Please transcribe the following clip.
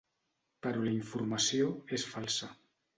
Però la informació és falsa.